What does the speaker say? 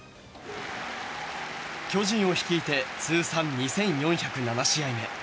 巨人を率いて通算２４０７試合目。